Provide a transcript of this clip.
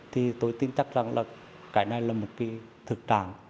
thì tôi tin chắc rằng là cái này là một cái thực trạng